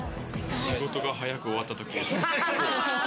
仕事が早く終わったとき。